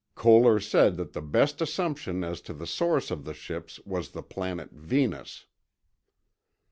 Koehler said that the best assumption as to the source of the ships was the planet Venus.